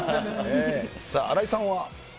さあ、新井さんは？